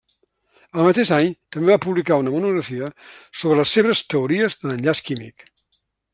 El mateix any també va publicar una monografia sobre les seves teories de l'enllaç químic.